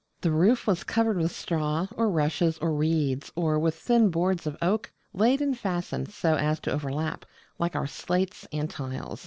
The roof was covered with straw, or rushes, or reeds, or with thin boards of oak, laid and fastened so as to overlap, like our slates and tiles.